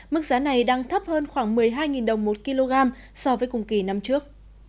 mức giá này đang thấp hơn khoảng một mươi hai đồng một kg so với cùng kỳ năm trước